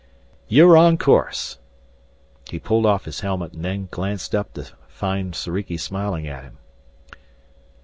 "You're on course!" He pulled off his helmet and then glanced up to find Soriki smiling at him.